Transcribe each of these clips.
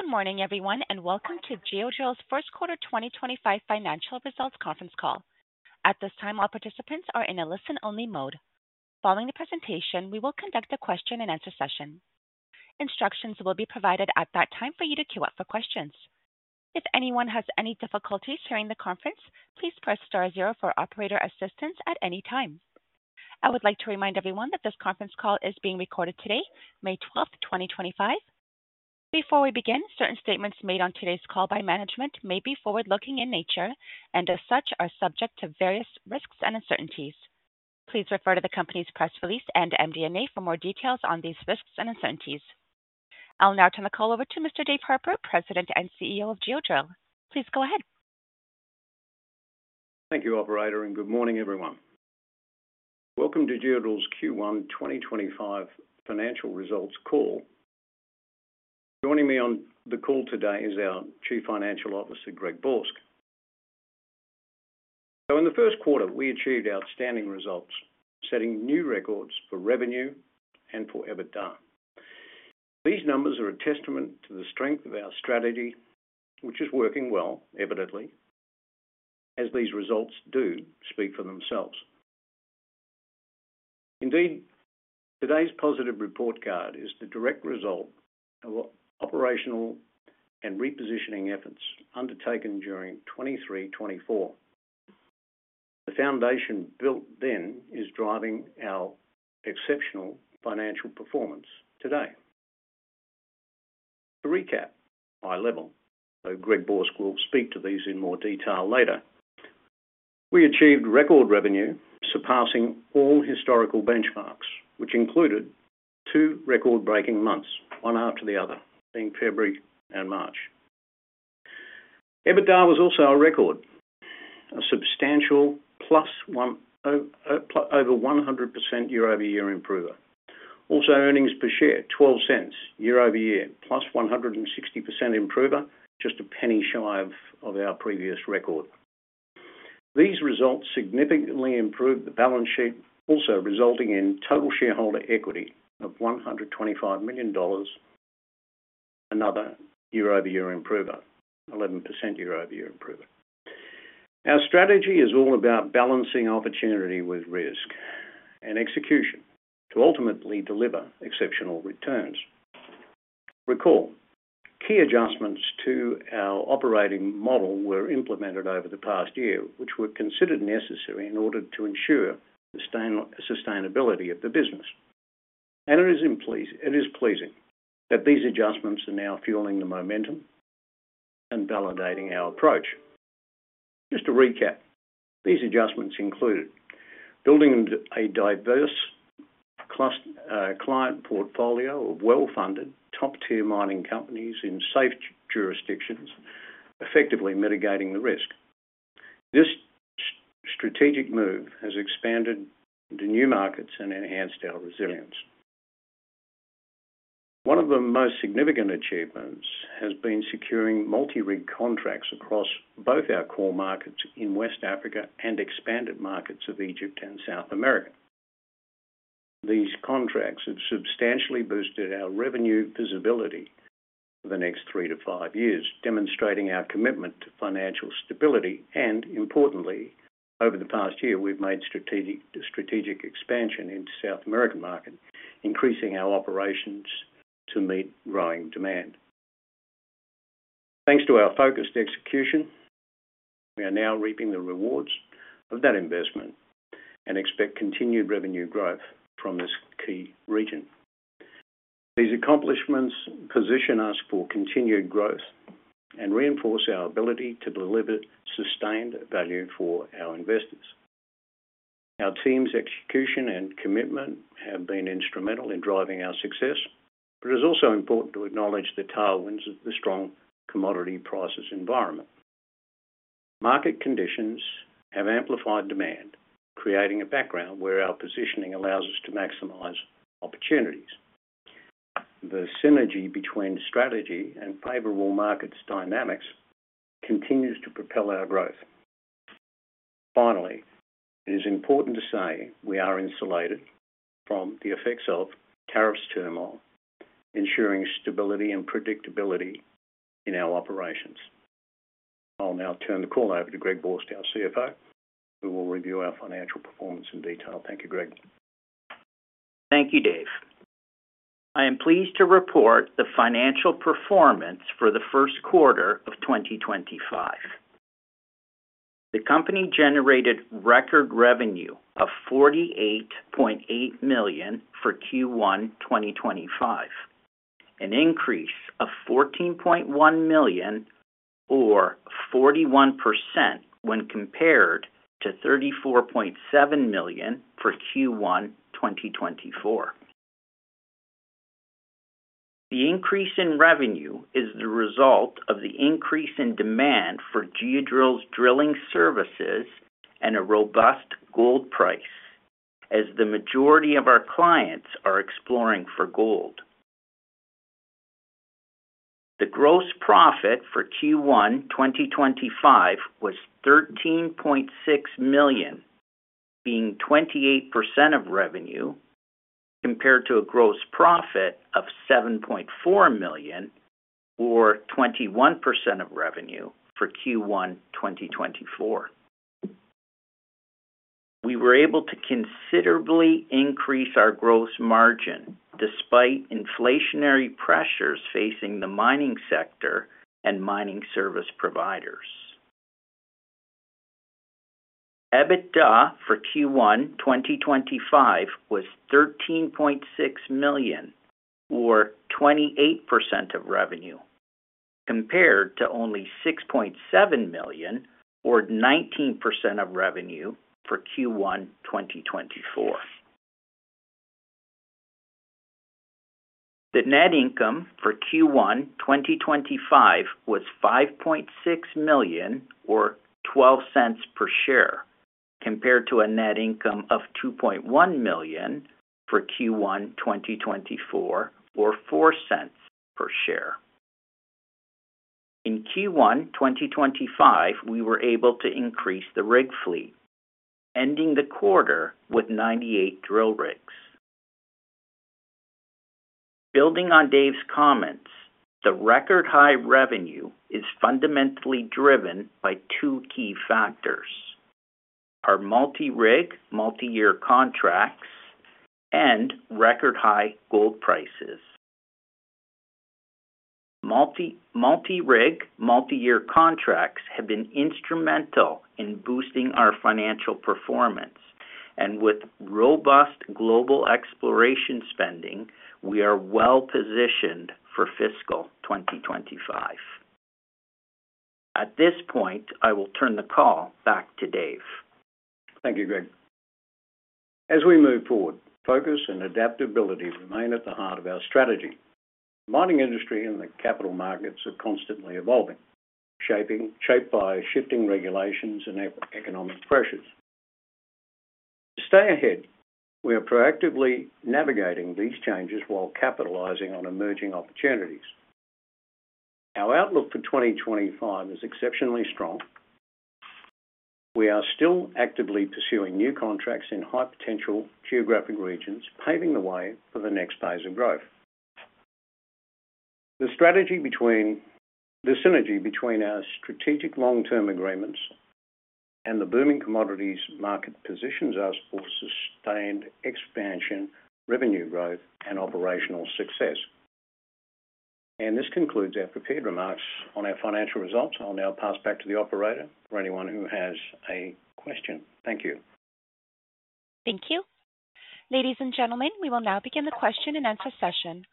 Good morning, everyone, and welcome to Geodrill's First Quarter 2025 Financial Results Conference Call. At this time, all participants are in a listen-only mode. Following the presentation, we will conduct a question-and-answer session. Instructions will be provided at that time for you to queue up for questions. If anyone has any difficulties hearing the conference, please press star zero for operator assistance at any time. I would like to remind everyone that this conference call is being recorded today, May 12th, 2025. Before we begin, certain statements made on today's call by management may be forward-looking in nature and, as such, are subject to various risks and uncertainties. Please refer to the company's press release and MD&A for more details on these risks and uncertainties. I'll now turn the call over to Mr. Dave Harper, President and CEO of Geodrill. Please go ahead. Thank you, Operator, and good morning, everyone. Welcome to Geodrill's Q1 2025 Financial Results Call. Joining me on the call today is our Chief Financial Officer, Greg Borsk. In the first quarter, we achieved outstanding results, setting new records for revenue and for EBITDA. These numbers are a testament to the strength of our strategy, which is working well, evidently, as these results do speak for themselves. Indeed, today's positive report card is the direct result of operational and repositioning efforts undertaken during 2023-2024. The foundation built then is driving our exceptional financial performance today. To recap, high level, Greg Borsk will speak to these in more detail later. We achieved record revenue, surpassing all historical benchmarks, which included two record-breaking months, one after the other, being February and March. EBITDA was also a record, a substantial plus over 100% year-over-year improvement. Also, Earnings Per Share, $0.12 year-over-year, plus 160% improvement, just a penny shy of our previous record. These results significantly improved the balance sheet, also resulting in total shareholder equity of $125 million, another year-over-year improvement, 11% year-over-year improvement. Our strategy is all about balancing opportunity with risk and execution to ultimately deliver exceptional returns. Recall, key adjustments to our operating model were implemented over the past year, which were considered necessary in order to ensure the sustainability of the business. It is pleasing that these adjustments are now fueling the momentum and validating our approach. Just to recap, these adjustments included building a diverse client portfolio of well-funded, top-tier mining companies in safe jurisdictions, effectively mitigating the risk. This strategic move has expanded to new markets and enhanced our resilience. One of the most significant achievements has been securing multi-rig contracts across both our core markets in West Africa and expanded markets of Egypt and South America. These contracts have substantially boosted our revenue visibility for the next three to five years, demonstrating our commitment to financial stability. Over the past year, we've made strategic expansion into the South American market, increasing our operations to meet growing demand. Thanks to our focused execution, we are now reaping the rewards of that investment and expect continued revenue growth from this key region. These accomplishments position us for continued growth and reinforce our ability to deliver sustained value for our investors. Our team's execution and commitment have been instrumental in driving our success, but it is also important to acknowledge the tailwinds of the strong commodity prices environment. Market conditions have amplified demand, creating a background where our positioning allows us to maximize opportunities. The synergy between strategy and favorable market dynamics continues to propel our growth. Finally, it is important to say we are insulated from the effects of tariffs turmoil, ensuring stability and predictability in our operations. I'll now turn the call over to Greg Borsk, our CFO, who will review our financial performance in detail. Thank you, Greg. Thank you, Dave. I am pleased to report the financial performance for the first quarter of 2025. The company generated record revenue of $48.8 million for Q1 2025, an increase of $14.1 million, or 41% when compared to $34.7 million for Q1 2024. The increase in revenue is the result of the increase in demand for Geodrill's drilling services and a robust gold price, as the majority of our clients are exploring for gold. The gross profit for Q1 2025 was $13.6 million, being 28% of revenue, compared to a gross profit of $7.4 million, or 21% of revenue for Q1 2024. We were able to considerably increase our Gross margin despite inflationary pressures facing the mining sector and mining service providers. EBITDA for Q1 2025 was $13.6 million, or 28% of revenue, compared to only $6.7 million, or 19% of revenue for Q1 2024. The net income for Q1 2025 was $5.6 million, or $0.12 per share, compared to a net income of $2.1 million for Q1 2024, or $0.04 per share. In Q1 2025, we were able to increase the rig fleet, ending the quarter with 98 drill rigs. Building on Dave's comments, the record-high revenue is fundamentally driven by two key factors: our multi-rig, multi-year contracts, and record-high gold prices. Multi-rig, multi-year contracts have been instrumental in boosting our financial performance, and with robust global exploration spending, we are well-positioned for fiscal 2025. At this point, I will turn the call back to Dave. Thank you, Greg. As we move forward, focus and adaptability remain at the heart of our strategy. The mining industry and the capital markets are constantly evolving, shaped by shifting regulations and economic pressures. To stay ahead, we are proactively navigating these changes while capitalizing on emerging opportunities. Our outlook for 2025 is exceptionally strong. We are still actively pursuing new contracts in high-potential geographic regions, paving the way for the next phase of growth. The synergy between our strategic long-term agreements and the booming commodities market positions us for sustained expansion, revenue growth, and operational success. This concludes our prepared remarks on our financial results. I'll now pass back to the Operator for anyone who has a question. Thank you. Thank you. Ladies and gentlemen, we will now begin the question-and-answer session.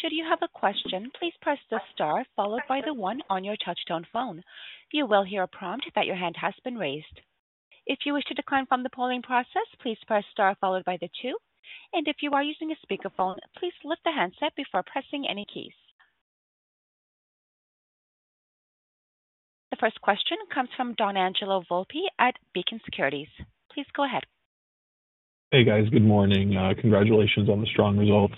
Should you have a question, please press the star followed by the one on your touch-tone phone. You will hear a prompt that your hand has been raised. If you wish to decline from the polling process, please press star followed by the two. If you are using a speakerphone, please lift the handset before pressing any keys. The first question comes from Donangelo Volpe at Beacon Securities. Please go ahead. Hey, guys. Good morning. Congratulations on the strong results.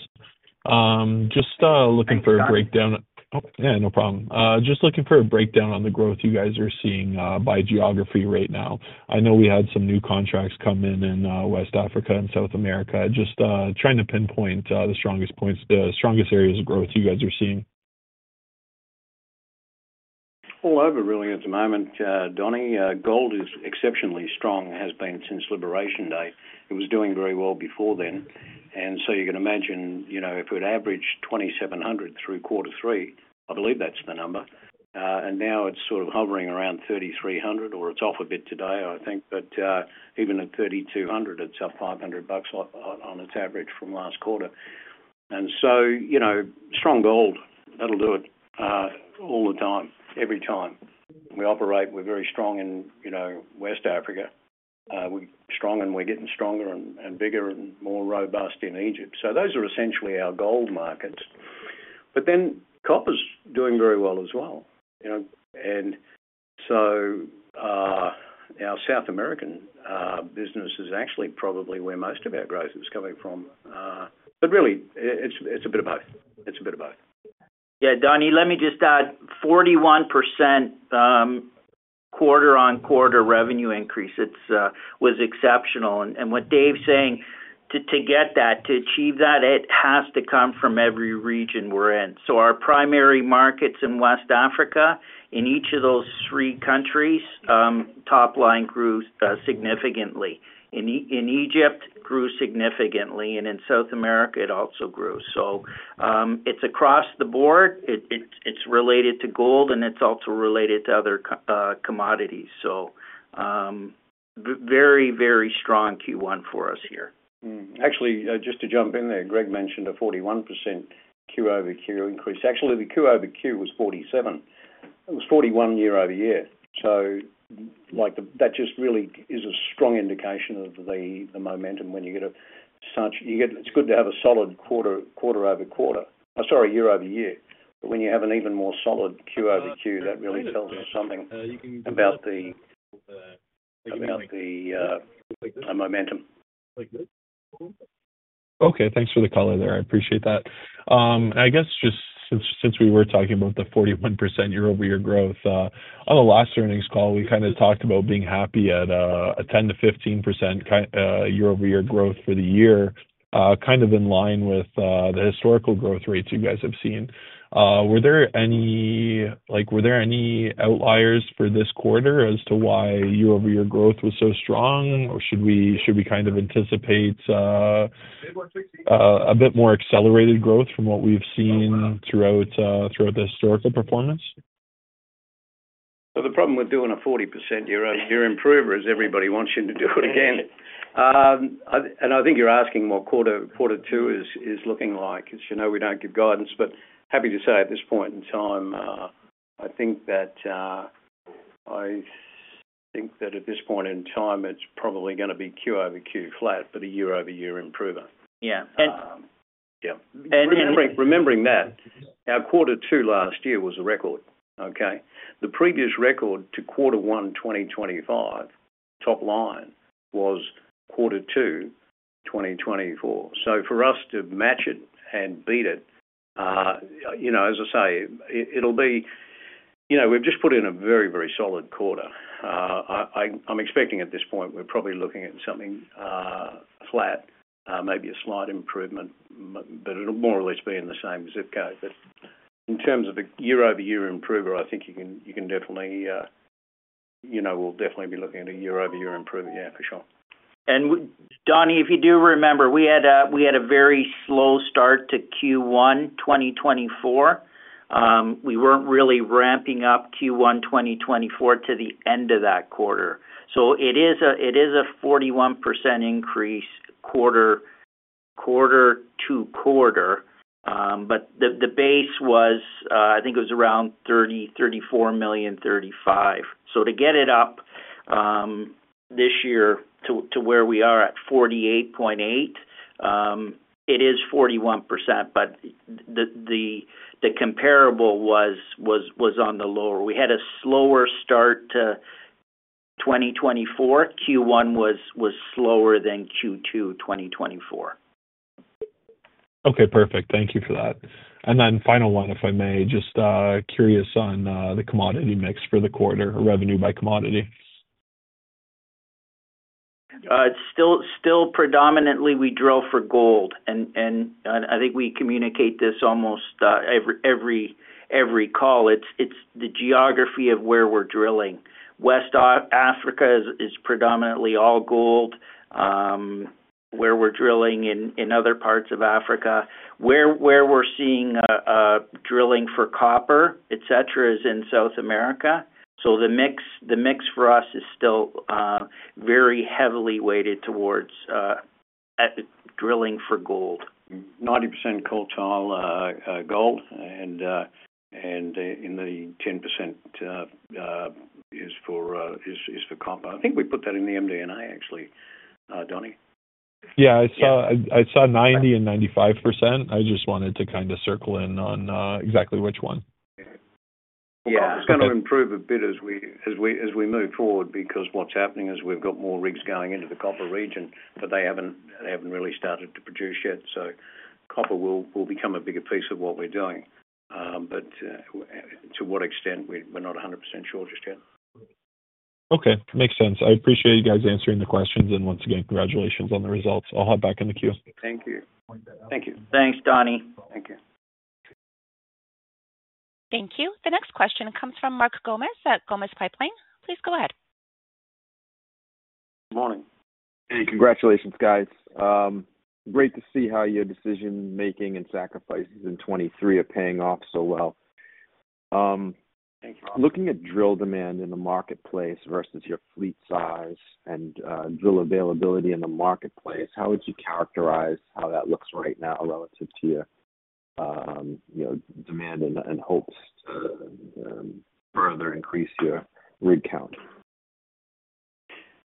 Just looking for a breakdown. Oh, yeah, no problem. Just looking for a breakdown on the growth you guys are seeing by geography right now. I know we had some new contracts come in in West Africa and South America. Just trying to pinpoint the strongest points, the strongest areas of growth you guys are seeing. I have a really interesting moment, Donangelo. Gold is exceptionally strong and has been since Liberation Day. It was doing very well before then. You can imagine if it averaged $2,700 through quarter three, I believe that is the number. Now it is sort of hovering around $3,300, or it is off a bit today, I think. Even at $3,200, it is up $500 on its average from last quarter. Strong gold, that will do it all the time, every time. We operate, we are very strong in West Africa. We are strong and we are getting stronger and bigger and more robust in Egypt. Those are essentially our gold markets. Copper is doing very well as well. Our South American business is actually probably where most of our growth is coming from. Really, it is a bit of both. It is a bit of both. Yeah, Donangelo, let me just add, 41% quarter-on-quarter revenue increase was exceptional. What Dave's saying, to get that, to achieve that, it has to come from every region we're in. Our primary markets in West Africa, in each of those three countries, top line grew significantly. In Egypt, grew significantly, and in South America, it also grew. It is across the board. It is related to gold, and it is also related to other commodities. Very, very strong Q1 for us here. Actually, just to jump in there, Greg mentioned a 41% Q over Q increase. Actually, the Q over Q was 47%. It was 41% year-over-year. That just really is a strong indication of the momentum when you get a such, it's good to have a solid quarter-over-quarter. I'm sorry, year-over-year. When you have an even more solid Q over Q, that really tells us something about the momentum. Okay. Thanks for the color there. I appreciate that. I guess just since we were talking about the 41% year-over-year growth, on the last earnings call, we kind of talked about being happy at a 10-15% year-over-year growth for the year, kind of in line with the historical growth rates you guys have seen. Were there any outliers for this quarter as to why year-over-year growth was so strong, or should we kind of anticipate a bit more accelerated growth from what we've seen throughout the historical performance? The problem with doing a 40% year-over-year improver is everybody wants you to do it again. I think you're asking what quarter two is looking like, as you know, we don't give guidance. Happy to say at this point in time, I think that at this point in time, it's probably going to be Q over Q flat, but a year-over-year improver. Yeah. And. Yeah. And remembering that, our quarter two last year was a record, okay? The previous record to quarter one 2025, top line, was quarter two 2024. For us to match it and beat it, as I say, it'll be we've just put in a very, very solid quarter. I'm expecting at this point, we're probably looking at something flat, maybe a slight improvement, but it'll more or less be in the same zip code. In terms of a year-over-year improver, I think you can definitely we'll definitely be looking at a year-over-year improver, yeah, for sure. Donangelo, if you do remember, we had a very slow start to Q1 2024. We were not really ramping up Q1 2024 to the end of that quarter. It is a 41% increase quarter to quarter. The base was, I think it was around $34 million-$35 million. To get it up this year to where we are at $48.8 million, it is 41%, but the comparable was on the lower. We had a slower start to 2024. Q1 was slower than Q2 2024. Okay. Perfect. Thank you for that. Final one, if I may, just curious on the commodity mix for the quarter, revenue by commodity. Still predominantly, we drill for gold. I think we communicate this almost every call. It is the geography of where we are drilling. West Africa is predominantly all gold. Where we are drilling in other parts of Africa. Where we are seeing drilling for copper, etc., is in South America. The mix for us is still very heavily weighted towards drilling for gold. 90% gold and the 10% is for copper. I think we put that in the MD&A, actually, Donangelo. Yeah. I saw 90% and 95%. I just wanted to kind of circle in on exactly which one. Yeah. It's going to improve a bit as we move forward because what's happening is we've got more rigs going into the copper region, but they haven't really started to produce yet. Copper will become a bigger piece of what we're doing. To what extent, we're not 100% sure just yet. Okay. Makes sense. I appreciate you guys answering the questions. Once again, congratulations on the results. I'll hop back in the queue. Thank you. Thank you. Thanks, Donangelo. Thank you. Thank you. The next question comes from Mark Gomes at Pipeline. Please go ahead. Good morning. Hey, congratulations, guys. Great to see how your decision-making and sacrifices in 2023 are paying off so well. Thank you. Looking at drill demand in the marketplace versus your fleet size and drill availability in the marketplace, how would you characterize how that looks right now relative to your demand and hopes to further increase your rig count?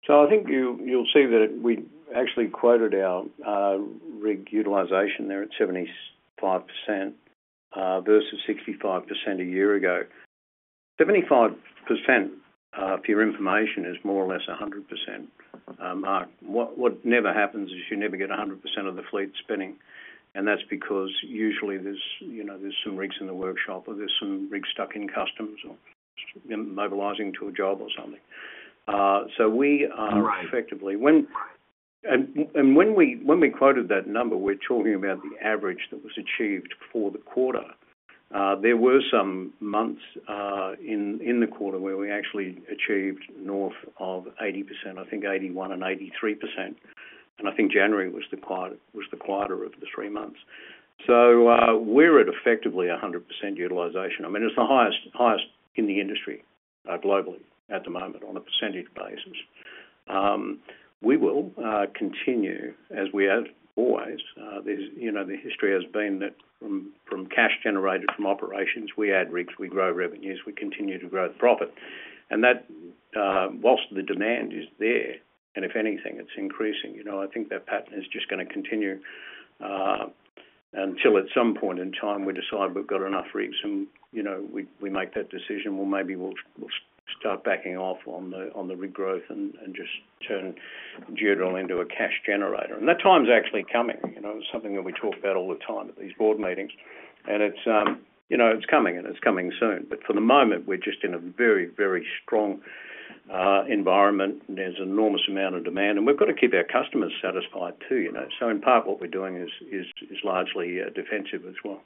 I think you'll see that we actually quoted our Rig Utilization there at 75% versus 65% a year ago. 75%, for your information, is more or less 100%. Mark, what never happens is you never get 100% of the fleet spinning. That's because usually there's some rigs in the workshop, or there's some rigs stuck in customs or mobilizing to a job or something. We effectively, when we quoted that number, we're talking about the average that was achieved for the quarter. There were some months in the quarter where we actually achieved north of 80%, I think 81% and 83%. I think January was the quieter of the three months. We're at effectively 100% utilization. I mean, it's the highest in the industry globally at the moment on a percentage basis. We will continue as we have always. The history has been that from cash generated from operations, we add rigs, we grow revenues, we continue to grow the profit. And whilst the demand is there, and if anything, it's increasing, I think that pattern is just going to continue until at some point in time we decide we've got enough rigs and we make that decision, well, maybe we'll start backing off on the rig growth and just turn Geodrill into a cash generator. That time's actually coming. It's something that we talk about all the time at these board meetings. It's coming, and it's coming soon. For the moment, we're just in a very, very strong environment, and there's an enormous amount of demand. We've got to keep our customers satisfied too. In part, what we're doing is largely defensive as well.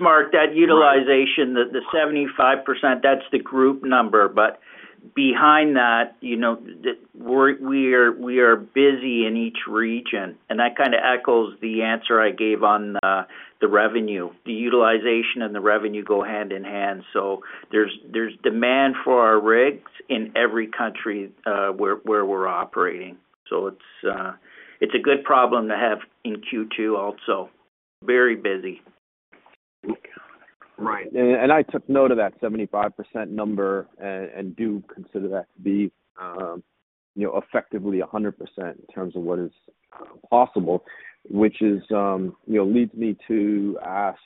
Mark, that utilization, the 75%, that's the group number. But behind that, we are busy in each region. That kind of echoes the answer I gave on the revenue. The utilization and the revenue go hand in hand. There is demand for our rigs in every country where we are operating. It is a good problem to have in Q2 also. Very busy. Right. I took note of that 75% number and do consider that to be effectively 100% in terms of what is possible, which leads me to ask,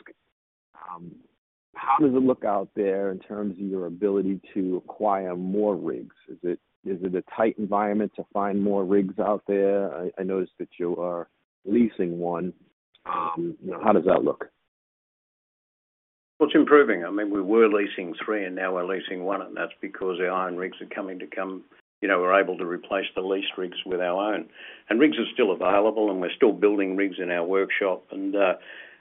how does it look out there in terms of your ability to acquire more rigs? Is it a tight environment to find more rigs out there? I noticed that you are leasing one. How does that look? It is improving. I mean, we were leasing three, and now we are leasing one. That is because our own rigs are coming, we are able to replace the leased rigs with our own. Rigs are still available, and we are still building rigs in our workshop. Where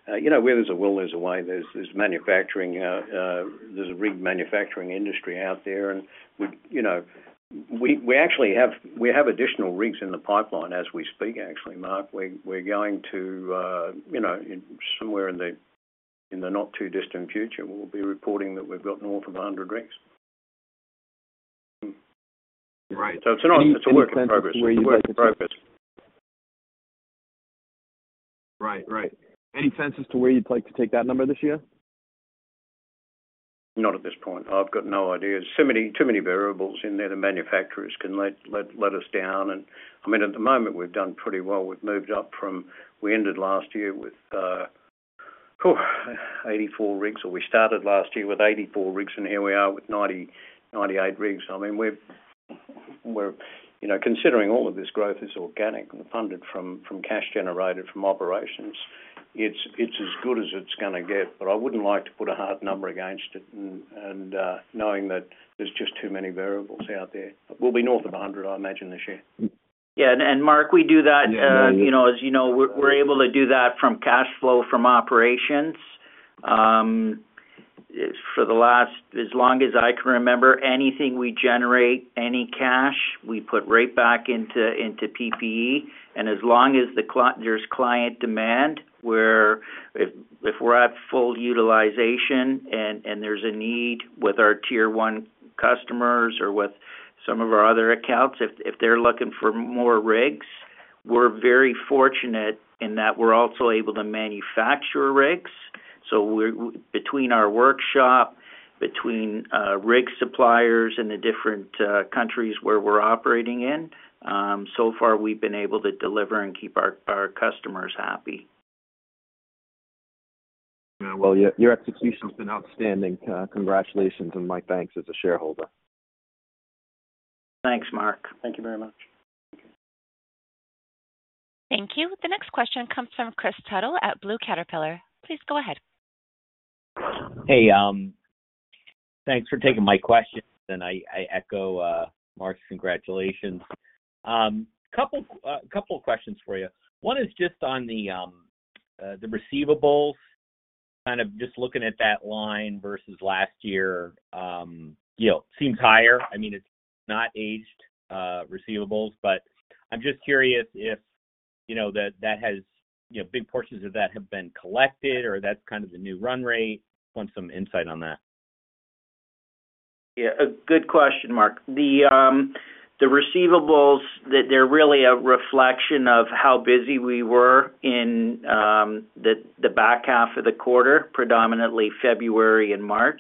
there is a will, there is a way. There is manufacturing. There is a rig manufacturing industry out there. We actually have additional rigs in the pipeline as we speak, actually, Mark. We are going to, somewhere in the not too distant future, we will be reporting that we have got north of 100 rigs. It is a work in progress. Right. Right. Any sense as to where you'd like to take that number this year? Not at this point. I've got no idea. Too many variables in there. The manufacturers can let us down. I mean, at the moment, we've done pretty well. We've moved up from we ended last year with 84 rigs, or we started last year with 84 rigs, and here we are with 98 rigs. I mean, considering all of this growth is organic and funded from cash generated from operations, it's as good as it's going to get. I wouldn't like to put a hard number against it knowing that there's just too many variables out there. We'll be north of 100, I imagine, this year. Yeah. Mark, we do that. As you know, we're able to do that from cash flow from operations. For the last, as long as I can remember, anything we generate, any cash, we put right back into PP&E. As long as there's client demand, if we're at full utilization and there's a need with our tier one customers or with some of our other accounts, if they're looking for more rigs, we're very fortunate in that we're also able to manufacture rigs. Between our workshop, between rig suppliers in the different countries where we're operating in, so far, we've been able to deliver and keep our customers happy. Your execution has been outstanding. Congratulations and my thanks as a shareholder. Thanks, Mark. Thank you very much. Thank you. The next question comes from Kris Tuttle at Blue Caterpillar. Please go ahead. Hey. Thanks for taking my question. I echo Mark's congratulations. A couple of questions for you. One is just on the receivables, kind of just looking at that line versus last year. It seems higher. I mean, it's not aged receivables. I am just curious if big portions of that have been collected, or if that's kind of the new run rate. Want some insight on that. Yeah. Good question, Kris. The receivables, they're really a reflection of how busy we were in the back half of the quarter, predominantly February and March.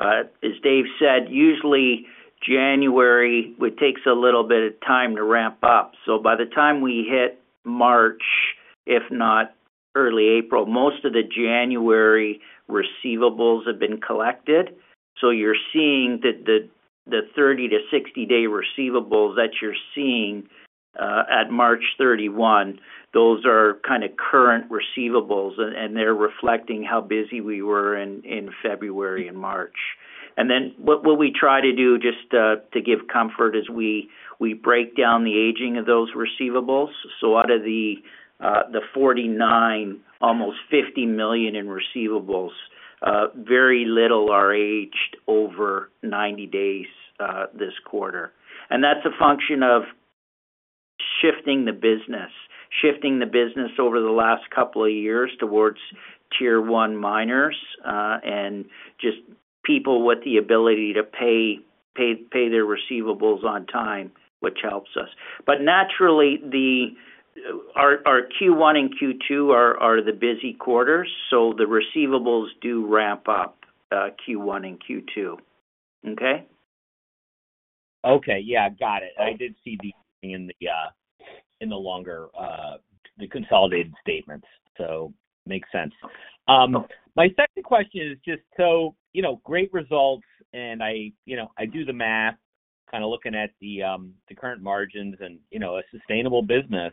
As Dave said, usually January, it takes a little bit of time to ramp up. By the time we hit March, if not early April, most of the January receivables have been collected. You're seeing that the 30-60 day receivables that you're seeing at March 31, those are kind of current receivables, and they're reflecting how busy we were in February and March. What we try to do just to give comfort is we break down the aging of those receivables. Out of the $49 million, almost $50 million in receivables, very little are aged over 90 days this quarter. That is a function of shifting the business, shifting the business over the last couple of years towards tier one miners and just people with the ability to pay their receivables on time, which helps us. Naturally, our Q1 and Q2 are the busy quarters. The receivables do ramp up Q1 and Q2. Okay? Okay. Yeah. Got it. I did see these in the longer, the consolidated statements. Makes sense. My second question is just, great results, and I do the math, kind of looking at the current margins and a sustainable business.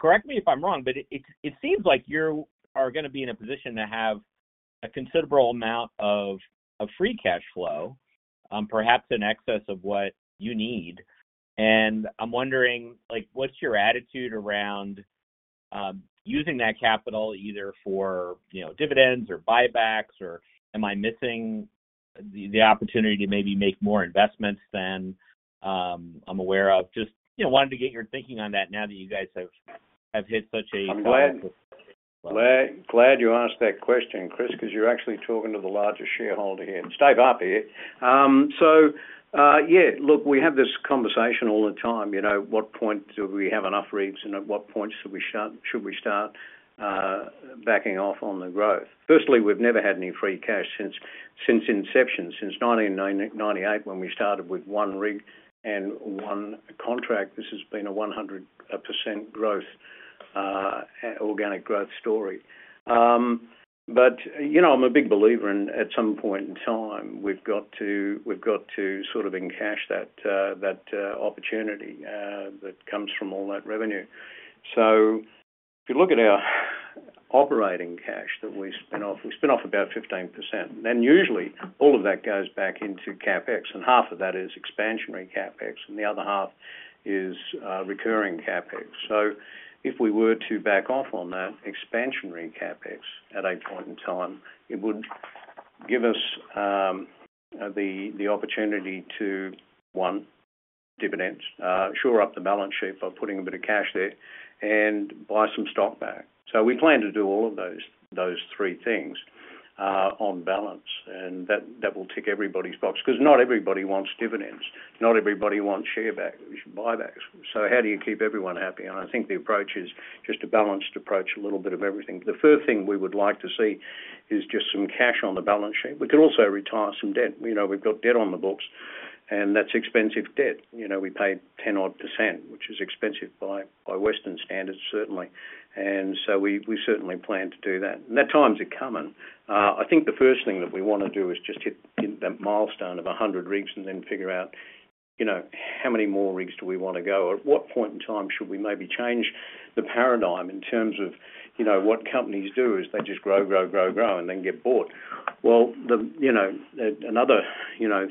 Correct me if I'm wrong, but it seems like you are going to be in a position to have a considerable amount of free cash flow, perhaps in excess of what you need. I'm wondering, what's your attitude around using that capital either for dividends or buybacks? Am I missing the opportunity to maybe make more investments than I'm aware of? Just wanted to get your thinking on that now that you guys have hit such a high level. Glad you asked that question, Kris, because you're actually talking to the largest shareholder here. Stay happy. Yeah, look, we have this conversation all the time. At what point do we have enough rigs, and at what point should we start backing off on the growth? Firstly, we've never had any free cash since inception, since 1998 when we started with one rig and one contract. This has been a 100% organic growth story. I'm a big believer in at some point in time, we've got to sort of encash that opportunity that comes from all that revenue. If you look at our operating cash that we spin off, we spin off about 15%. Usually, all of that goes back into CapEx, and half of that is expansionary CapEx, and the other half is recurring CapEx. If we were to back off on that expansionary CapEx at a point in time, it would give us the opportunity to, one, dividends, shore up the balance sheet by putting a bit of cash there, and buy some stock back. We plan to do all of those three things on balance, and that will tick everybody's box because not everybody wants dividends. Not everybody wants share buybacks. How do you keep everyone happy? I think the approach is just a balanced approach, a little bit of everything. The first thing we would like to see is just some cash on the balance sheet. We could also retire some debt. We have debt on the books, and that is expensive debt. We paid 10-odd %, which is expensive by Western standards, certainly. We certainly plan to do that. That time is coming. I think the first thing that we want to do is just hit that milestone of 100 rigs and then figure out how many more rigs do we want to go. At what point in time should we maybe change the paradigm in terms of what companies do is they just grow, grow, grow, and then get bought? Another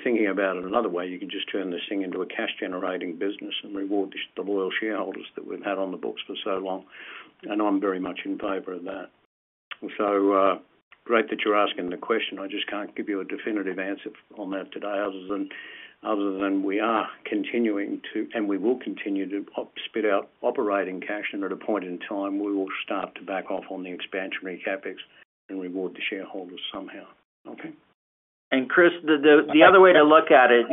thinking about it in another way, you can just turn this thing into a cash-generating business and reward the loyal shareholders that we've had on the books for so long. I am very much in favor of that. Great that you're asking the question. I just can't give you a definitive answer on that today other than we are continuing to, and we will continue to spit out operating cash, and at a point in time, we will start to back off on the expansionary CapEx and reward the shareholders somehow. Okay? Kris, the other way to look at it,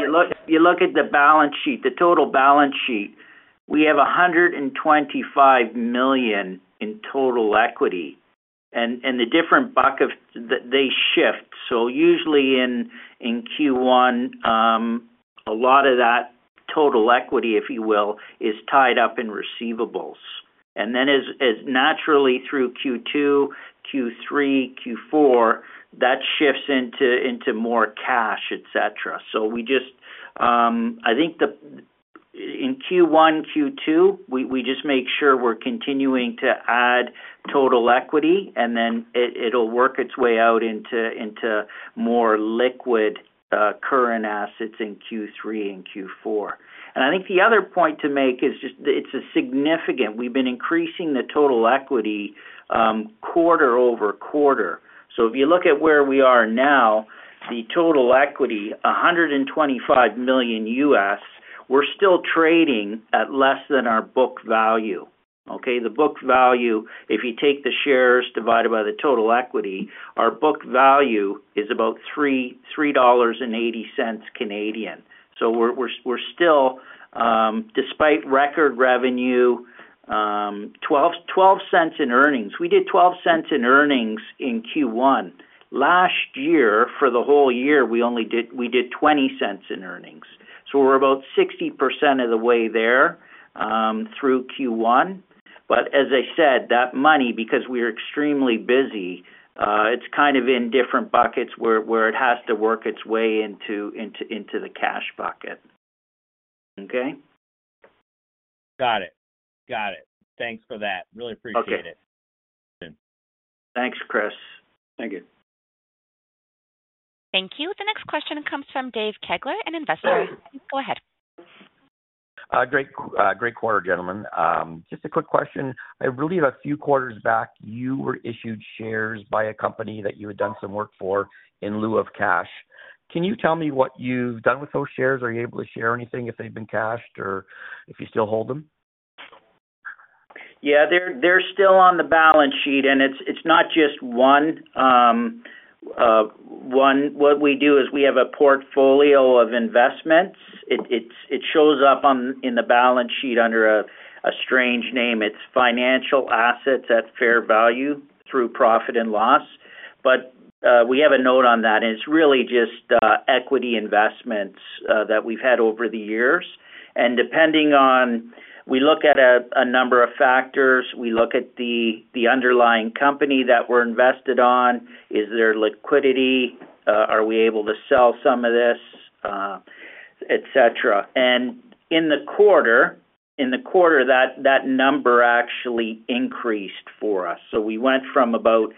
you look at the balance sheet, the total balance sheet. We have $125 million in total equity. The different buckets, they shift. Usually in Q1, a lot of that total equity, if you will, is tied up in receivables. Then as naturally through Q2, Q3, Q4, that shifts into more cash, etc. I think in Q1, Q2, we just make sure we are continuing to add total equity, and then it will work its way out into more liquid current assets in Q3 and Q4. I think the other point to make is just it is significant we have been increasing the total equity quarter over quarter. If you look at where we are now, the total equity, $125 million US, we are still trading at less than our book value. Okay? The book value, if you take the shares divided by the total equity, our book value is about 3.80 dollars. So we're still, despite record revenue, $0.12 in earnings. We did $0.12 in earnings in Q1. Last year, for the whole year, we did $0.20 in earnings. So we're about 60% of the way there through Q1. But as I said, that money, because we are extremely busy, it's kind of in different buckets where it has to work its way into the cash bucket. Okay? Got it. Got it. Thanks for that. Really appreciate it. Thanks, Kris. Thank you. Thank you. The next question comes from Dave Kegler at Investor. Go ahead. Great quarter, gentlemen. Just a quick question. I believe a few quarters back, you were issued shares by a company that you had done some work for in lieu of cash. Can you tell me what you've done with those shares? Are you able to share anything if they've been cashed or if you still hold them? Yeah. They're still on the balance sheet, and it's not just one. What we do is we have a portfolio of investments. It shows up in the balance sheet under a strange name. It's financial assets at fair value through profit and loss. We have a note on that, and it's really just equity investments that we've had over the years. Depending on, we look at a number of factors. We look at the underlying company that we're invested on. Is there liquidity? Are we able to sell some of this, etc.? In the quarter, that number actually increased for us. We went from about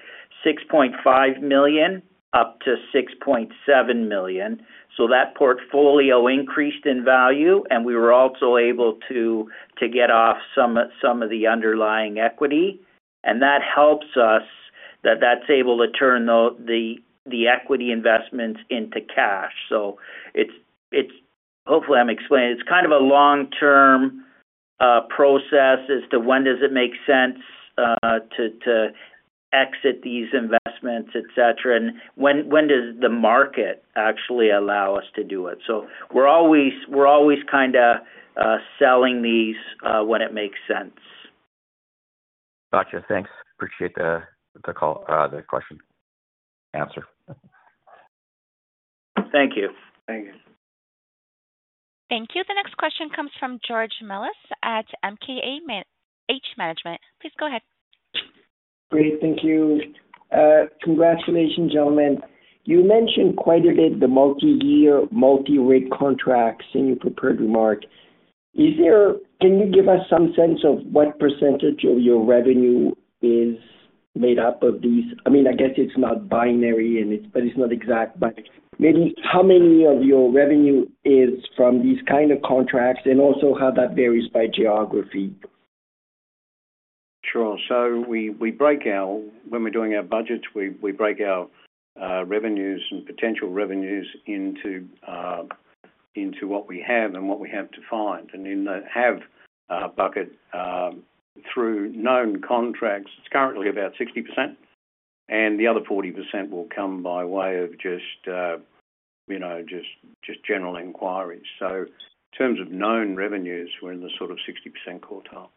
$6.5 million up to $6.7 million. That portfolio increased in value, and we were also able to get off some of the underlying equity. That helps us, that that's able to turn the equity investments into cash. Hopefully, I'm explaining. It's kind of a long-term process as to when does it make sense to exit these investments, etc., and when does the market actually allow us to do it. We're always kind of selling these when it makes sense. Gotcha. Thanks. Appreciate the question and answer. Thank you. Thank you. Thank you. The next question comes from George Mellis at Mellis Marine Management. Please go ahead. Great. Thank you. Congratulations, gentlemen. You mentioned quite a bit the multi-year, multi-rig contracts in your prepared remark. Can you give us some sense of what percentage of your revenue is made up of these? I mean, I guess it's not binary, but it's not exact, but maybe how many of your revenue is from these kind of contracts and also how that varies by geography? Sure. When we're doing our budgets, we break our revenues and potential revenues into what we have and what we have to find. In the have bucket through known contracts, it's currently about 60%, and the other 40% will come by way of just general inquiries. In terms of known revenues, we're in the sort of 60% quartile.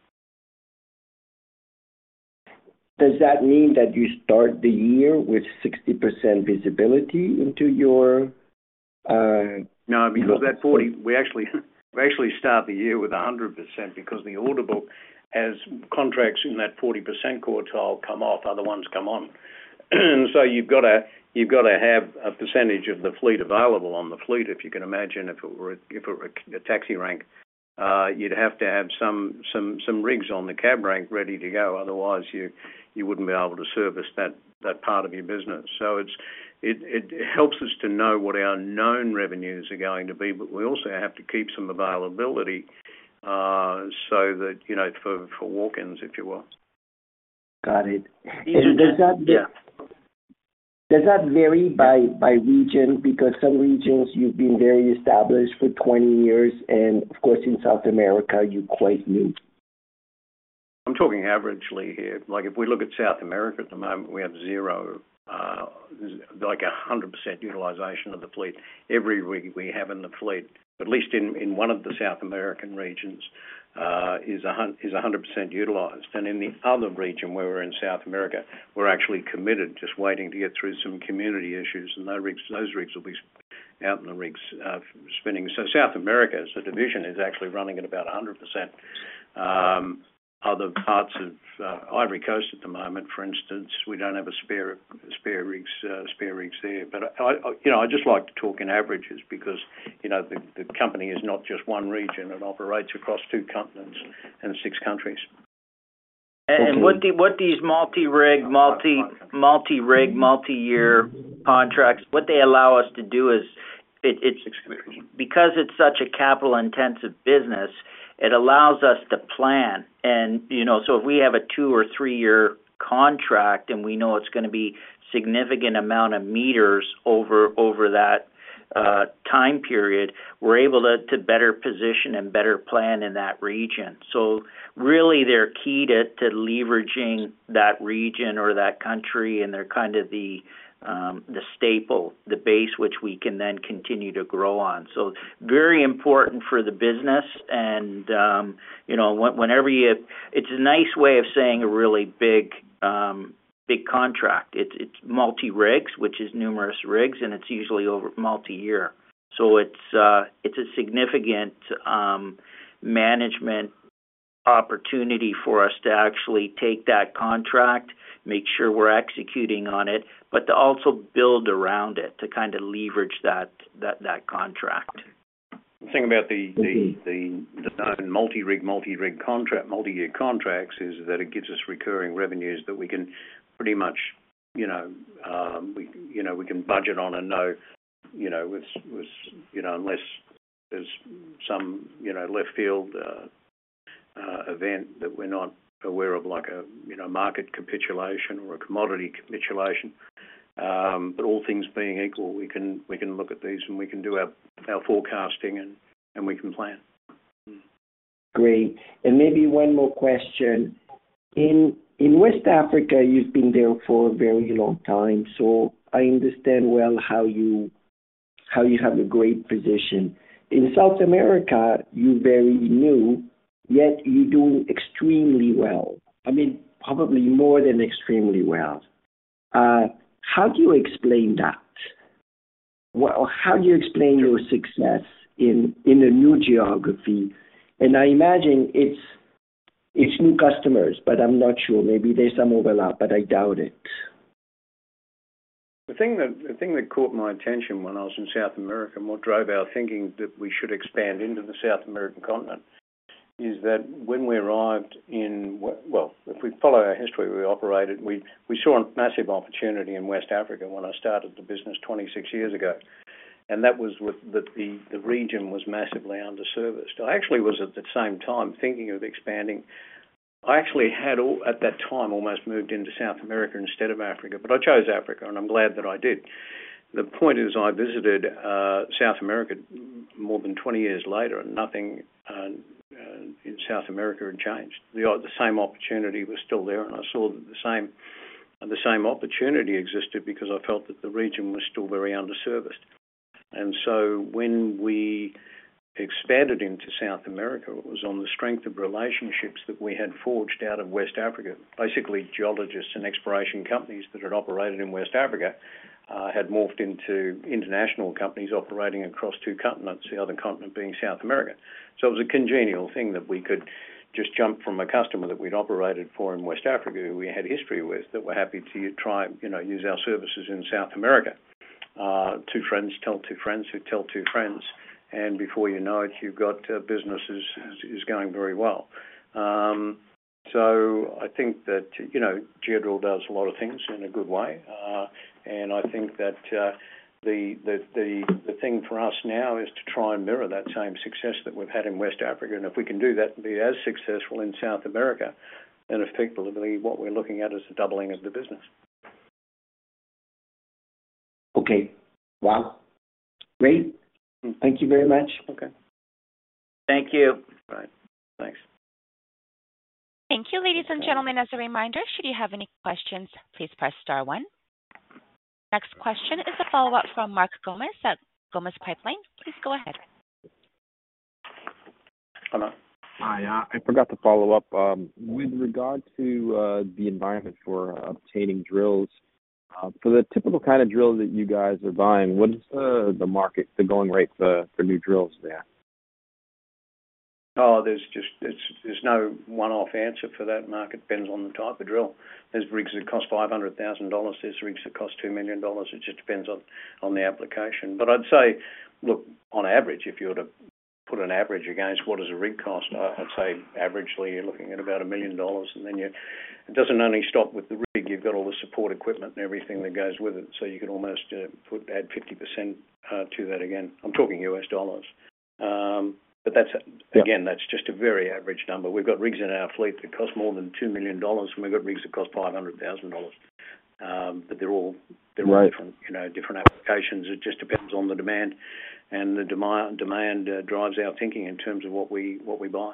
Does that mean that you start the year with 60% visibility into your? No, because we actually start the year with 100% because the audible as contracts in that 40% quartile come off, other ones come on. You have to have a percentage of the fleet available on the fleet, if you can imagine. If it were a taxi rank, you'd have to have some rigs on the cab rank ready to go. Otherwise, you wouldn't be able to service that part of your business. It helps us to know what our known revenues are going to be, but we also have to keep some availability for walk-ins, if you will. Got it. Does that vary by region? Because some regions, you've been very established for 20 years, and of course, in South America, you're quite new. I'm talking averagely here. If we look at South America at the moment, we have zero, like 100% utilization of the fleet. Every rig we have in the fleet, at least in one of the South American regions, is 100% utilized. In the other region where we're in South America, we're actually committed, just waiting to get through some community issues, and those rigs will be out in the rigs spinning. South America, as a division, is actually running at about 100%. Other parts of Ivory Coast at the moment, for instance, we do not have a spare rigs there. I just like to talk in averages because the company is not just one region. It operates across two continents and six countries. What these multi-rig, multi-year contracts allow us to do is, because it is such a capital-intensive business, it allows us to plan. If we have a two or three-year contract and we know it is going to be a significant amount of meters over that time period, we are able to better position and better plan in that region. They are key to leveraging that region or that country, and they are kind of the staple, the base which we can then continue to grow on. Very important for the business. Whenever you, it is a nice way of saying a really big contract. It is multi-rigs, which is numerous rigs, and it is usually over multi-year. It is a significant management opportunity for us to actually take that contract, make sure we are executing on it, but to also build around it to kind of leverage that contract. The thing about the multi-rig, multi-rig contract, multi-year contracts is that it gives us recurring revenues that we can pretty much budget on and know unless there's some left-field event that we're not aware of, like a market capitulation or a commodity capitulation. All things being equal, we can look at these and we can do our forecasting and we can plan. Great. Maybe one more question. In West Africa, you've been there for a very long time, so I understand well how you have a great position. In South America, you're very new, yet you're doing extremely well. I mean, probably more than extremely well. How do you explain that? How do you explain your success in a new geography? I imagine it's new customers, but I'm not sure. Maybe there's some overlap, but I doubt it. The thing that caught my attention when I was in South America and what drove our thinking that we should expand into the South American continent is that when we arrived in, if we follow our history, we operated. We saw a massive opportunity in West Africa when I started the business 26 years ago. That was that the region was massively underserviced. I actually was at the same time thinking of expanding. I actually had at that time almost moved into South America instead of Africa, but I chose Africa, and I'm glad that I did. The point is I visited South America more than 20 years later and nothing in South America had changed. The same opportunity was still there, and I saw that the same opportunity existed because I felt that the region was still very underserviced. When we expanded into South America, it was on the strength of relationships that we had forged out of West Africa. Basically, geologists and exploration companies that had operated in West Africa had morphed into international companies operating across two continents, the other continent being South America. It was a congenial thing that we could just jump from a customer that we'd operated for in West Africa who we had history with that were happy to try and use our services in South America. Two friends tell two friends who tell two friends, and before you know it, you've got businesses going very well. I think that Geodrill does a lot of things in a good way. I think that the thing for us now is to try and mirror that same success that we've had in West Africa. If we can do that and be as successful in South America, then effectively what we're looking at is the doubling of the business. Okay. Wow. Great. Thank you very much. Thank you. Right. Thanks. Thank you, ladies and gentlemen. As a reminder, should you have any questions, please press star one. The next question is a follow-up from Mark Gomes at Pipeline. Please go ahead. Hi. I forgot to follow up. With regard to the environment for obtaining drills, for the typical kind of drill that you guys are buying, what is the market, the going rate for new drills there? Oh, there's no one-off answer for that market. It depends on the type of drill. There's rigs that cost $500,000. There's rigs that cost $2 million. It just depends on the application. I'd say, look, on average, if you were to put an average against what does a rig cost, I'd say averagely you're looking at about $1 million. It doesn't only stop with the rig. You've got all the support equipment and everything that goes with it. You can almost add 50% to that again. I'm talking US dollars. That's just a very average number. We've got rigs in our fleet that cost more than $2 million, and we've got rigs that cost $500,000. They're all different applications. It just depends on the demand, and the demand drives our thinking in terms of what we buy.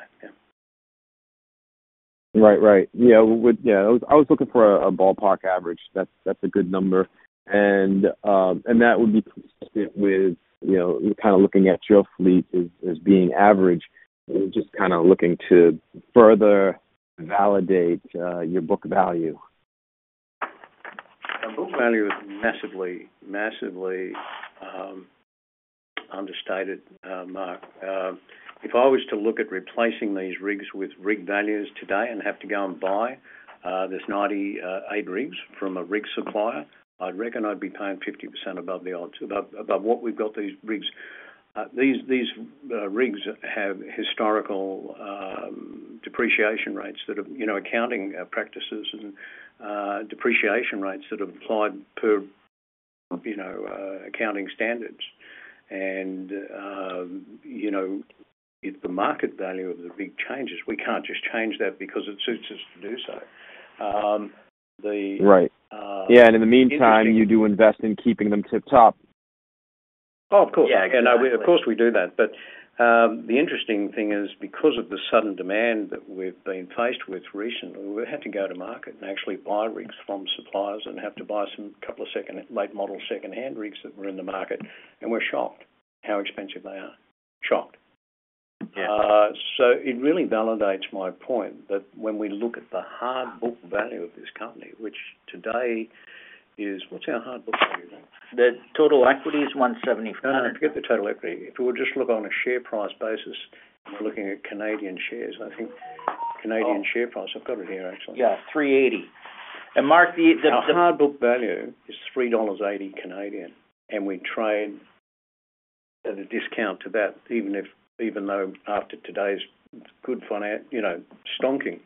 Right. Right. Yeah. I was looking for a ballpark average. That's a good number. That would be consistent with kind of looking at your fleet as being average. We're just kind of looking to further validate your book value. Our book value is massively understated, Mark. If I was to look at replacing these rigs with rig values today and have to go and buy these 98 rigs from a rig supplier, I'd reckon I'd be paying 50% above what we've got these rigs. These rigs have historical depreciation rates that have accounting practices and depreciation rates that have applied per accounting standards. If the market value of the rig changes, we can't just change that because it suits us to do so. Right. Yeah. In the meantime, you do invest in keeping them tip-top. Oh, of course. Yeah. Of course, we do that. The interesting thing is because of the sudden demand that we've been faced with recently, we had to go to market and actually buy rigs from suppliers and have to buy a couple of late-model second-hand rigs that were in the market. We're shocked how expensive they are. Shocked. It really validates my point that when we look at the hard book value of this company, which today is what's our hard book value? The total equity is 175. No, no. Forget the total equity. If we were just to look on a share price basis, we're looking at Canadian shares. I think Canadian share price, I've got it here actually. Yeah. $3.80. And Mark, the. The hard book value is 3.80 dollars. We trade at a discount to that, even though after today's good stonking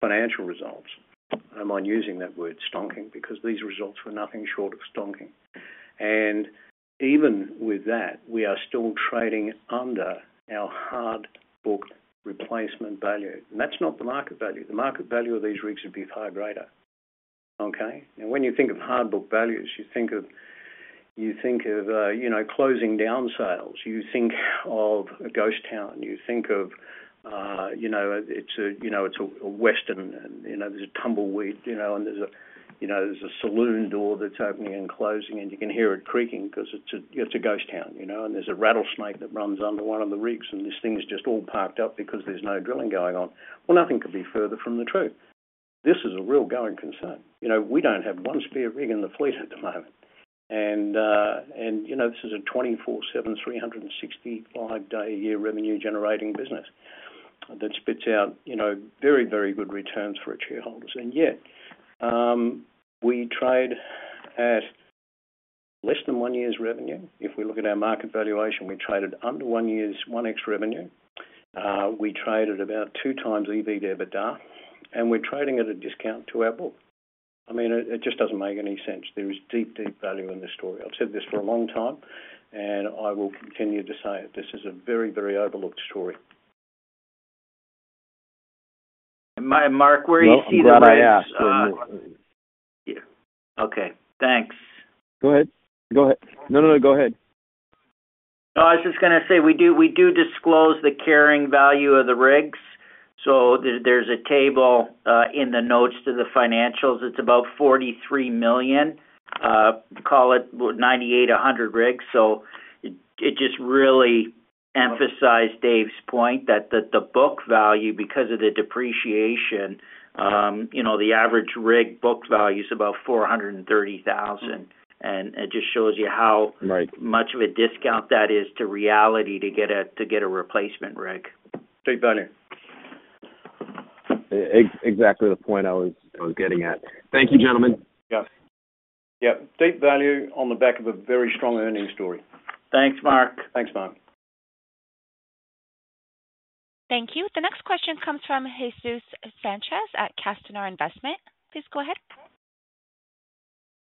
financial results. I do not mind using that word, stonking, because these results were nothing short of stonking. Even with that, we are still trading under our hard book replacement value. That is not the market value. The market value of these rigs would be far greater. Okay? When you think of hard book values, you think of closing down sales. You think of a ghost town. You think of it is a western, and there is a tumbleweed, and there is a saloon door that is opening and closing, and you can hear it creaking because it is a ghost town. There is a rattlesnake that runs under one of the rigs, and this thing is just all parked up because there is no drilling going on. Nothing could be further from the truth. This is a real going concern. We do not have one spare rig in the fleet at the moment. This is a 24/7, 365-day-a-year revenue-generating business that spits out very, very good returns for its shareholders. Yet, we trade at less than one year's revenue. If we look at our market valuation, we traded under one year's one-ex revenue. We traded about two times EBITDA per day, and we are trading at a discount to our book. I mean, it just does not make any sense. There is deep, deep value in this story. I have said this for a long time, and I will continue to say it. This is a very, very overlooked story. Mark, where do you see the value? Yeah. Okay. Thanks. Go ahead. No, no, go ahead. No, I was just going to say we do disclose the carrying value of the rigs. There is a table in the notes to the financials. It is about $43 million. Call it 98-100 rigs. It just really emphasized Dave's point that the book value, because of the depreciation, the average rig book value is about $430,000. It just shows you how much of a discount that is to reality to get a replacement rig. Deep value. Exactly the point I was getting at. Thank you, gentlemen. Yep. Yep. Deep value on the back of a very strong earnings story. Thanks, Mark. Thanks, Mark. Thank you. The next question comes from Jesus Sanchez at Castañar Investment. Please go ahead.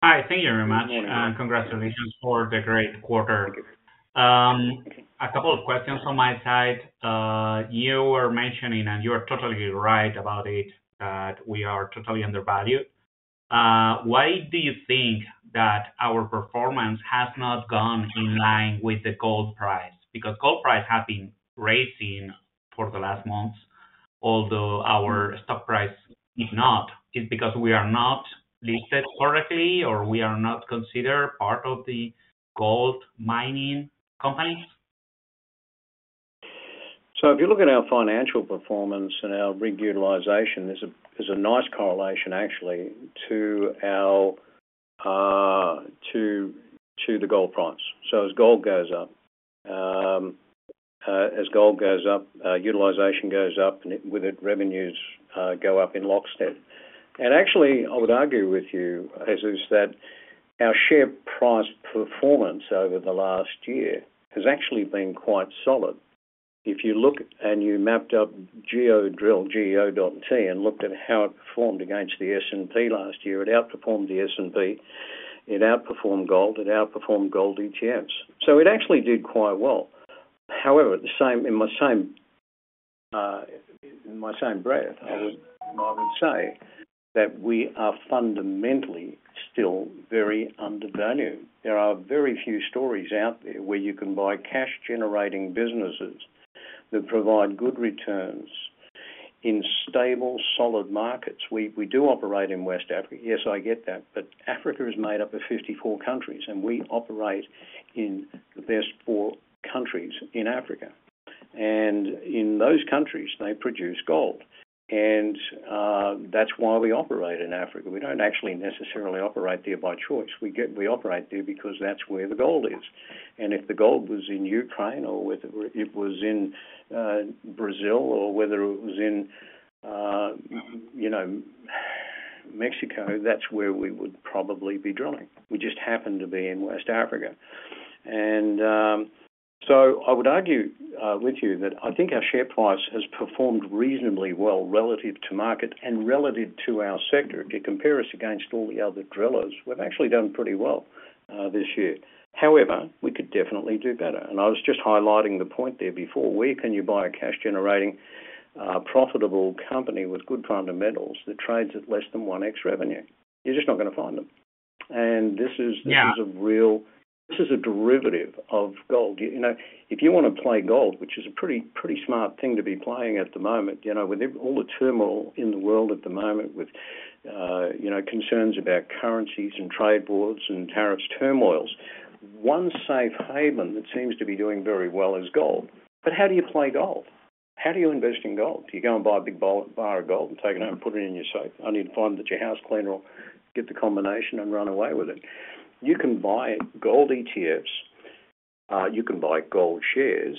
Hi. Thank you very much. Congratulations for the great quarter. A couple of questions on my side. You were mentioning, and you are totally right about it, that we are totally undervalued. Why do you think that our performance has not gone in line with the gold price? Because gold price has been rising for the last months, although our stock price is not. Is it because we are not listed correctly, or we are not considered part of the gold mining companies? If you look at our financial performance and our Rig Utilization, there is a nice correlation actually to the gold price. As gold goes up, utilization goes up, and with it, revenues go up in lockstep. I would argue with you, Jesus, that our share price performance over the last year has actually been quite solid. If you look and you mapped up Geodrill, GEO.T, and looked at how it performed against the S&P last year, it outperformed the S&P. It outperformed gold. It outperformed gold ETFs. It actually did quite well. However, in my same breath, I would say that we are fundamentally still very undervalued. There are very few stories out there where you can buy cash-generating businesses that provide good returns in stable, solid markets. We do operate in West Africa. Yes, I get that. Africa is made up of 54 countries, and we operate in the best four countries in Africa. In those countries, they produce gold. That is why we operate in Africa. We do not actually necessarily operate there by choice. We operate there because that is where the gold is. If the gold was in Ukraine or if it was in Brazil or whether it was in Mexico, that is where we would probably be drilling. We just happen to be in West Africa. I would argue with you that I think our share price has performed reasonably well relative to market and relative to our sector. If you compare us against all the other drillers, we have actually done pretty well this year. However, we could definitely do better. I was just highlighting the point there before. Where can you buy a cash-generating, profitable company with good fundamentals that trades at less than one-ex revenue? You're just not going to find them. This is a real, this is a derivative of gold. If you want to play gold, which is a pretty smart thing to be playing at the moment, with all the turmoil in the world at the moment with concerns about currencies and trade wars and tariffs, turmoils, one safe haven that seems to be doing very well is gold. How do you play gold? How do you invest in gold? Do you go and buy a big bar of gold and take it home and put it in your safe? I mean, you find that your house cleaner will get the combination and run away with it. You can buy gold ETFs. You can buy gold shares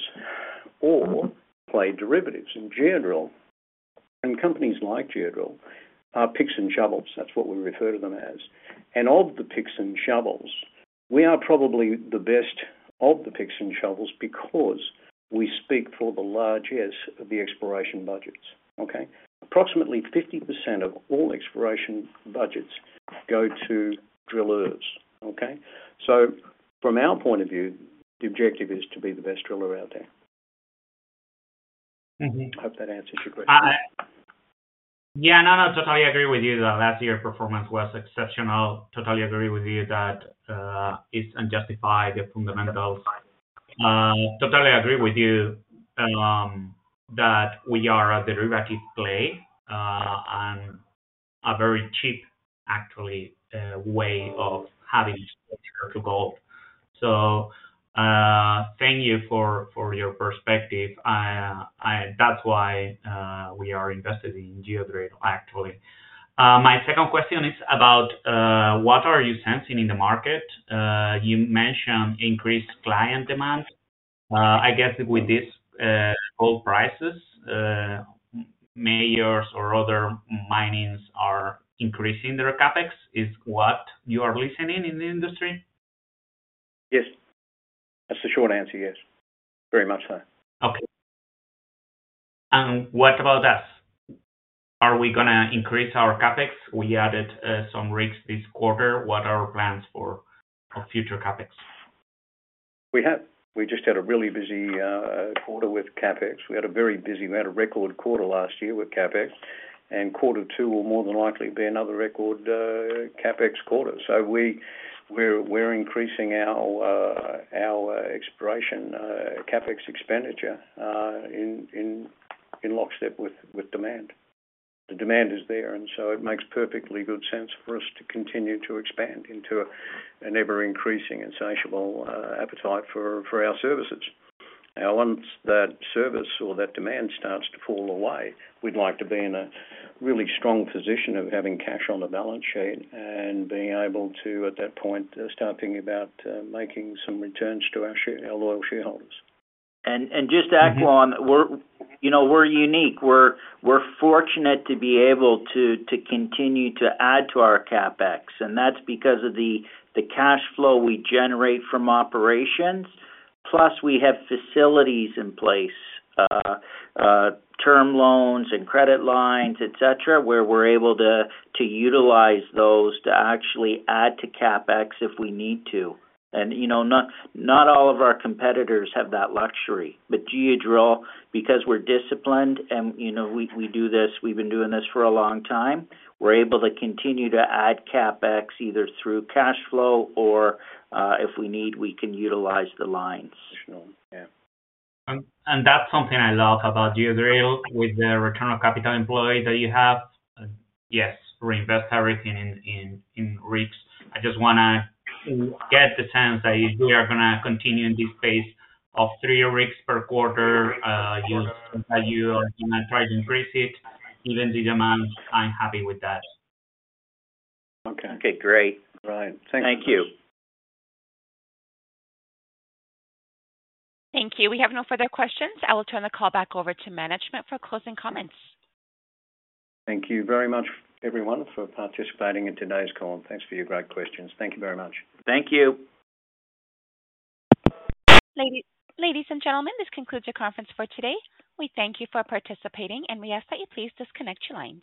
or play derivatives. In general, and companies like Geodrill are picks and shovels. That is what we refer to them as. Of the picks and shovels, we are probably the best of the picks and shovels because we speak for the largess of the exploration budgets. Approximately 50% of all exploration budgets go to drillers. From our point of view, the objective is to be the best driller out there. I hope that answers your question. Yeah. No, no. Totally agree with you that last year's performance was exceptional. Totally agree with you that it's unjustified, fundamentals. Totally agree with you that we are a derivative play and a very cheap, actually, way of having exposure to gold. Thank you for your perspective. That's why we are invested in Geodrill, actually. My second question is about what are you sensing in the market? You mentioned increased client demand. I guess with these gold prices, majors or other minings are increasing their CapEx. Is what you are listening in the industry? Yes. That's the short answer. Yes. Very much so. Okay. What about us? Are we going to increase our CapEx? We added some rigs this quarter. What are our plans for future CapEx? We have. We just had a really busy quarter with CapEx. We had a very busy, we had a record quarter last year with CapEx. Quarter two will more than likely be another record CapEx quarter. We are increasing our exploration CapEx expenditure in lockstep with demand. The demand is there, and it makes perfectly good sense for us to continue to expand into an ever-increasing insatiable appetite for our services. Now, once that service or that demand starts to fall away, we would like to be in a really strong position of having cash on the balance sheet and being able to, at that point, start thinking about making some returns to our loyal shareholders. Just to add, Leon, we're unique. We're fortunate to be able to continue to add to our CapEx. That's because of the cash flow we generate from operations. Plus, we have facilities in place, term loans and credit lines, etc., where we're able to utilize those to actually add to CapEx if we need to. Not all of our competitors have that luxury. Geodrill, because we're disciplined and we do this, we've been doing this for a long time, we're able to continue to add CapEx either through Cash flow or, if we need, we can utilize the lines. Yeah. That is something I love about Geodrill with the return of capital employee that you have. Yes, reinvest everything in rigs. I just want to get the sense that you are going to continue in this space of three rigs per quarter. You are going to try to increase it, even the demand. I am happy with that. Okay. Okay. Great. Right. Thank you. Thank you. Thank you. We have no further questions. I will turn the call back over to management for closing comments. Thank you very much, everyone, for participating in today's call. Thanks for your great questions. Thank you very much. Thank you. Ladies and gentlemen, this concludes our conference for today. We thank you for participating, and we ask that you please disconnect your lines.